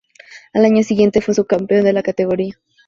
Al año siguiente fue subcampeón de la categoría.